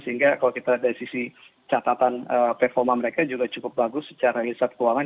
sehingga kalau kita dari sisi catatan performa mereka juga cukup bagus secara riset keuangan